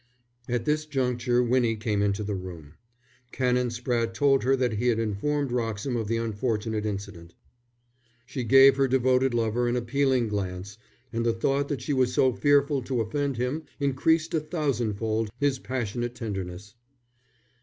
At this juncture Winnie came into the room. Canon Spratte told her that he had informed Wroxham of the unfortunate incident. She gave her devoted lover an appealing glance; and the thought that she was so fearful to offend him, increased a thousandfold his passionate tenderness.